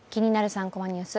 ３コマニュース」